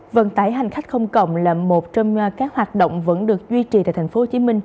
vận tải hành khách không cộng là một trong các hoạt động vẫn được duy trì tại tp hcm